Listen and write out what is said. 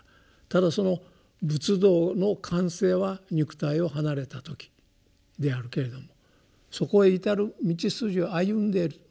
ただその仏道の完成は肉体を離れた時であるけれどもそこへ至る道筋を歩んでいる。